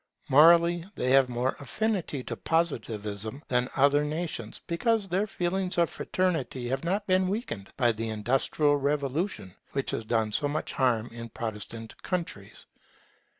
Morally they have more affinity to Positivism than other nations; because their feelings of fraternity have not been weakened by the industrial development which has done so much harm in Protestant countries.